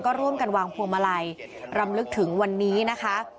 ก็ร่วมกันวางพวงมาลัยรำลึกถึงวันนี้นะคะ